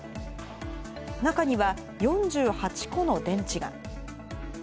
中には４８個の電池が。